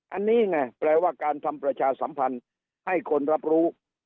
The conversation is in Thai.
อันนี้ไงแปลว่าการทำประชาสัมพันธ์ให้คนรับรู้